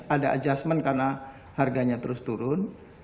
ada adjustment karena harganya terus turun